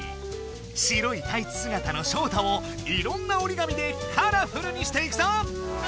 白いタイツすがたのショウタをいろんな折り紙でカラフルにしていくぞ！